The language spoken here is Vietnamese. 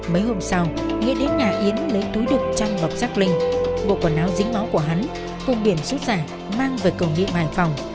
mấy hôm sau nghĩa đến nhà yến lấy túi đực trăng bọc sắc linh bộ quần áo dính máu của hắn cung biển xuất giả mang về công nghệ bài phòng